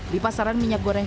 di pasaran minyak goreng